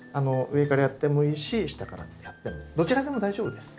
上からやってもいいし下からやってもどちらでも大丈夫です。